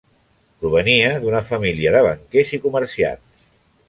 Provenia d'una família de banquers i comerciants.